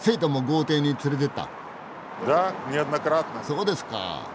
そうですか！